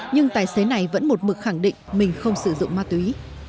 nhưng tài xế này vẫn một mực khẳng định mình không sử dụng ma túy